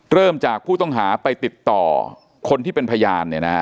เริ่มจากผู้ต้องหาไปติดต่อคนที่เป็นพยาน